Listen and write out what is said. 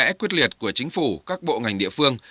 mẽ quyết liệt của chính phủ các bộ ngành địa phương